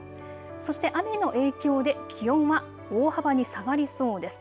そして雨の影響で気温は大幅に下がりそうです。